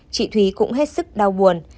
chị thúy cũng hết sức đau buồn